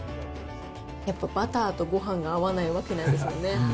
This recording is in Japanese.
やっぱバターとごはんが合わないわけないですよね。